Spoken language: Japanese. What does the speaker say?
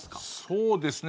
そうですね。